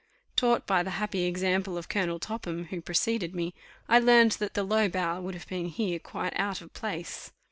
Taught by the happy example of Colonel Topham, who preceded me, I learned that the low bow would have been here quite out of place.